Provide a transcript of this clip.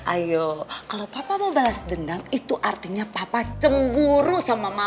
ayo kalau kamu mau balas dendam itu artinya kamu cemburu sama saya